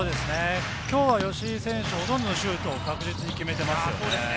今日は吉井選手、ほとんどのシュートを確実に決めていますね。